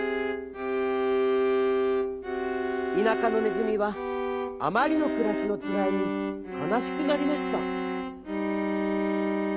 田舎のねずみはあまりのくらしのちがいにかなしくなりました。